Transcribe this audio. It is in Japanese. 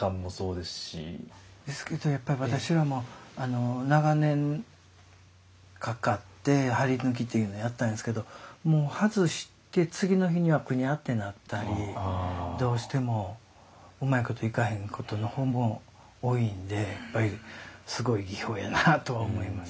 ですけどやっぱり私らも長年かかって張抜というのをやったんですけどもう外して次の日にはぐにゃってなったりどうしてもうまいこといかへんことの方も多いんですごい技法やなとは思います